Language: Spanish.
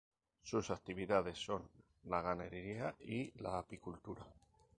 Sus principales actividades son la ganadería y la apicultura.